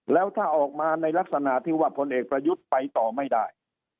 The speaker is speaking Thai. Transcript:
แล้วถ้าออกมาในลักษณะที่ว่าพลเอกประยุทธ์ไปต่อไม่ได้